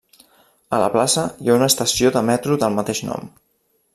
A la plaça hi ha una estació de metro del mateix nom.